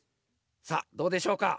さあどうでしょうか？